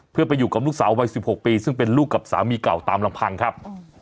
เพื่อไปอยู่กับลูกสาววัย๑๖ปีซึ่งเป็นลูกกับสามีเก่าตามลำพังครับ